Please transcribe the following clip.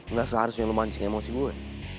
enggak seharusnya lu mancing emosi gua